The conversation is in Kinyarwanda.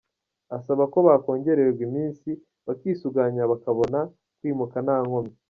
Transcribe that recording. Asaba ko bakongererwa iminsi bakisuganya bakabona kwimuka nta nkomyi.